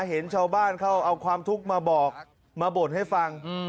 เห็นชาวบ้านเขาเอาความทุกข์มาบอกมาบ่นให้ฟัง